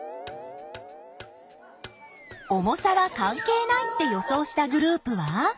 重さは関係ないって予想したグループは？